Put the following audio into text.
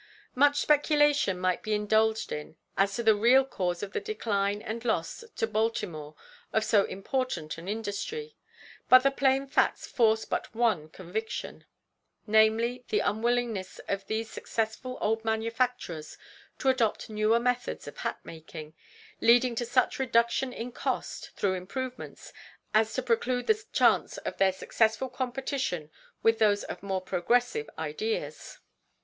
Much speculation might be indulged in as to the real cause of the decline and loss to Baltimore of so important an industry, but the plain facts force but one conviction; namely, the unwillingness of these successful old manufacturers to adopt newer methods of hat making, leading to such reduction in cost, through improvements, as to preclude the chance of their successful competition with those of more progressive ideas.